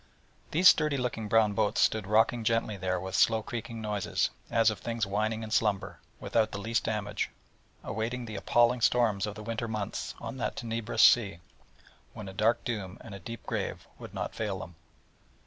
These sturdy looking brown boats stood rocking gently there with slow creaking noises, as of things whining in slumber, without the least damage, awaiting the appalling storms of the winter months on that tenebrous sea, when a dark doom, and a deep grave, would not fail them.